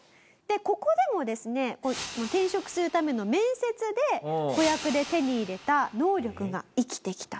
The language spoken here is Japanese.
ここでもですね転職するための面接で子役で手に入れた能力が生きてきたという事なんですね。